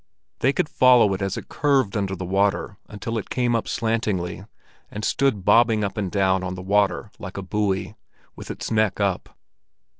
They could follow it as it curved under the water until it came up slantingly, and stood bobbing up and down on the water like a buoy, with its neck up.